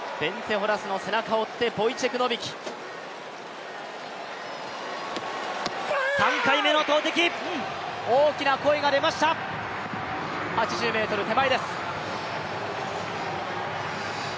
ホラスの背中を追って、ボイチェク・ノビキ、大きな声が出ました、８０ｍ手前です。